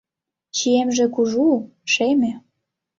Чиемже кужу, шеме.